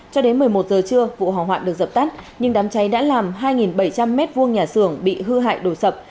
cho đến một mươi một giờ trưa vụ hỏa hoạn được dập tắt nhưng đám cháy đã làm hai bảy trăm linh m hai nhà xưởng bị hư hại đổ sập